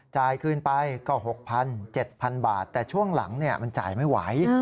จ่ายคืนไปก็๖๐๐๗๐๐บาทแต่ช่วงหลังมันจ่ายไม่ไหว